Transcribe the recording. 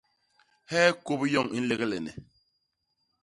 Hee kôp yoñ i nleglene.